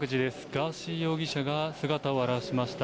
ガーシー容疑者が姿を現しました。